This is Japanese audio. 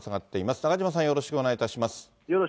中島さん、よろしくお願いいたします。